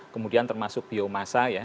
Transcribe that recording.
kemudian termasuk biomasa ya